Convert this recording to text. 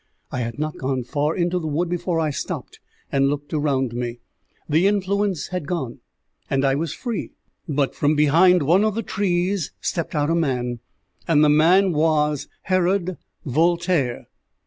I had not gone far into the wood before I stopped and looked around me. The influence had gone, and I was free; but from behind one of the trees stepped out a man, and the man was Herod Voltaire!